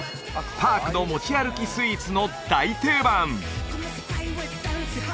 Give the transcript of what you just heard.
パークの持ち歩きスイーツの大定番！